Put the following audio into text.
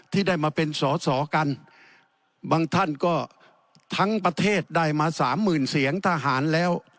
ที่ได้มาเป็นสอสอกันบางท่านก็ทั้งประเทศได้มาสามหมื่นเสียงทหารแล้ว